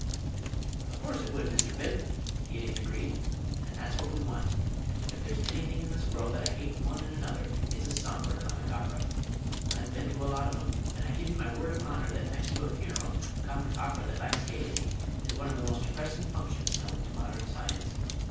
"Of course it would, Mr. Bib," the Idiot agreed. "And that's what we want. If there's anything in this world that I hate more than another it is a sombre comic opera. I've been to a lot of 'em, and I give you my word of honor that next to a funeral a comic opera that lacks gaiety is one of the most depressing functions known to modern science.